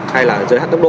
hay là giới hạn tốc độ